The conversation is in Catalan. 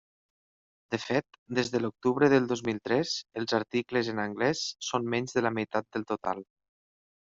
De fet, des de l'octubre del dos mil tres, els articles en anglès són menys de la meitat del total.